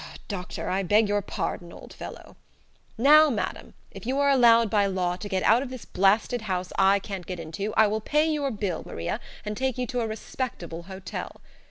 Doctor! I beg your pardon, old fellow. Now madam, if you are allowed by law to get out of this blasted house I can't get into, I will pay your bill, Maria, and take you to a respectable hotel.